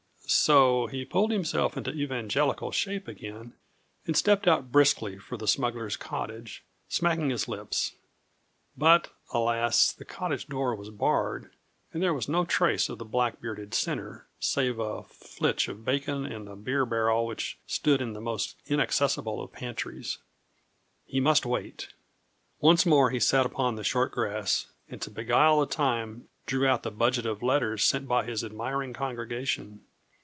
So he pulled himself into Evangelical shape again and stepped out briskly for the smuggler's cottage, smacking his lips. But, alas, the cottage door was barred, and there was no trace of the black bearded sinner, save a flitch of bacon and the beer barrel which stood in the most inaccessible of pantries. He must wait. Once more he sat upon the short grass, and to beguile the time, drew out the budget of letters sent by his admiring congregation.